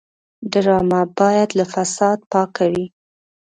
ډرامه باید له فساد پاکه وي